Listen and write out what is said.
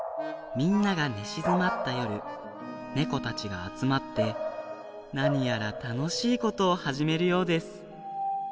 みんながねしずまったよるねこたちがあつまってなにやらたのしいことをはじめるようです。